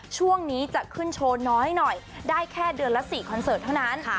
ช่วงนี้จะขึ้นโชว์น้อยหน่อยได้แค่เดือนละ๔คอนเสิร์ตเท่านั้น